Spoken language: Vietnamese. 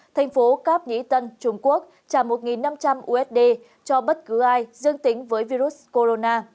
thành phố cap nhi tân trung quốc trả một năm trăm linh usd cho bất cứ ai dân tính với virus corona